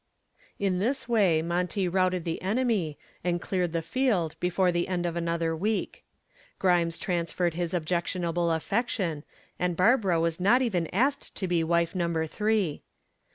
In this way Monty routed the enemy and cleared the field before the end of another week. Grimes transferred his objectionable affection and Barbara was not even asked to be wife number three.